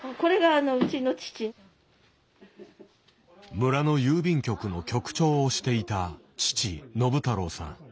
村の郵便局の局長をしていた父信太郎さん。